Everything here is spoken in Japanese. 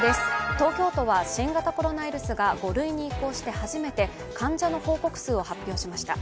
東京都は新型コロナウイルスが５類に移行して初めて患者の報告数を発表しました。